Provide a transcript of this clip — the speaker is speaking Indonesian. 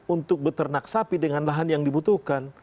untuk beternak sapi dengan lahan yang dibutuhkan